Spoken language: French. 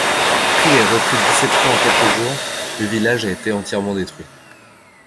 Pris et repris dix-sept fois en quatre jours, le village a été entièrement détruit.